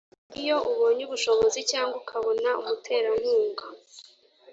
iyo ubonye ubushobozi cyangwa ukabona umuterankunga